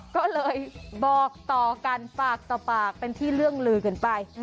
ก็เลยบอกต่อกันปากต่อปากเป็นที่เรื่องลือกันไป